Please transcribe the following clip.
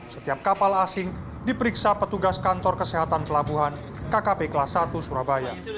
setiap kapal asing diperiksa petugas kantor kesehatan pelabuhan kkp kelas satu surabaya